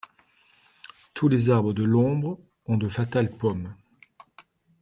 Tous les arbres de l’ombre ont de fatales pommes.